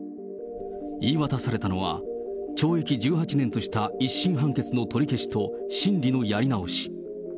言い渡されたのは、懲役１８年とした１審判決の取り消しと、審理のやり直し。